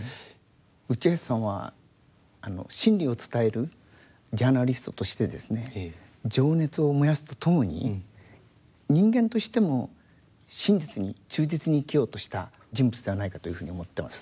内橋さんは真理を伝えるジャーナリストとしてですね情熱を燃やすとともに人間としても真実に忠実に生きようとした人物ではないかというふうに思ってます。